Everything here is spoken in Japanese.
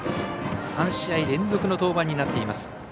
３試合連続の登板になっています